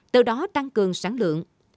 từ đó tăng cường sản lượng